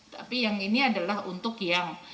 tapi yang ini adalah untuk yang